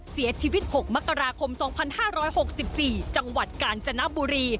เสียชีวิต๖มกราคม๒๕๖๔จังหวัดกาญจนบุรี